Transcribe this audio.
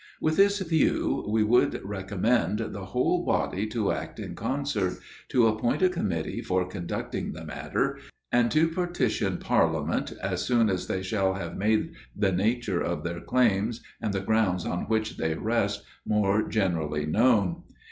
With this view we would recommend the whole body to act in concert, to appoint a committee for conducting the matter, and to petition parliament, as soon as they shall have made the nature of their claims, and the grounds on which they rest, more generally known.